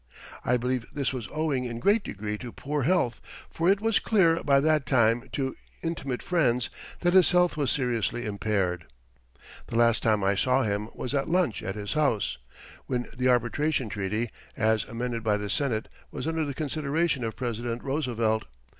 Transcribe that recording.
I believe this was owing in great degree to poor health, for it was clear by that time to intimate friends that his health was seriously impaired. The last time I saw him was at lunch at his house, when the Arbitration Treaty, as amended by the Senate, was under the consideration of President Roosevelt.